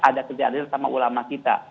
ada ketidakadilan sama ulama kita